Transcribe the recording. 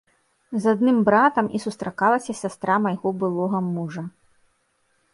З адным братам і сустракалася сястра майго былога мужа.